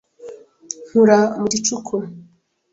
Nkura mu gicuku